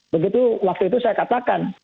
begitu waktu itu saya katakan